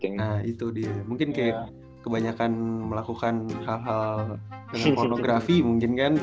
nah itu dia mungkin kayak kebanyakan melakukan hal hal pornografi mungkin kan